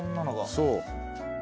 そう。